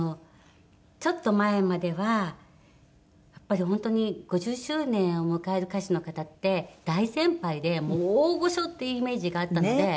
ちょっと前まではやっぱり本当に５０周年を迎える歌手の方って大先輩で大御所っていうイメージがあったので。